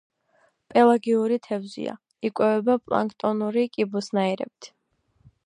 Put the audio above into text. პელაგიური თევზია; იკვებება პლანქტონური კიბოსნაირებით.